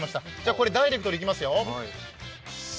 これダイレクトにいきますよ。